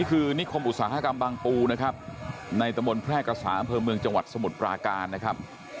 นี่คือนิคมอุตสาหกรรมบางปูนะครับในตะบนแพร่กษาอำเภอเมืองจังหวัดสมุทรปราการนะครับ